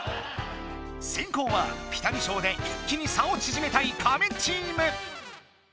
先攻はピタリ賞で一気に差をちぢめたいカメチーム！